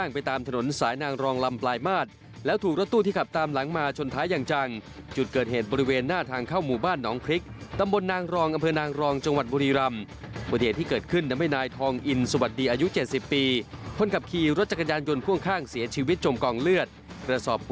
พร้อมกับอุบัติเหตุอื่นจากรายงานกันค่ะ